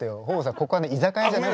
ここはね居酒屋じゃないのよ。